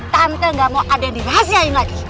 tante gak mau ada yang dirahasiain lagi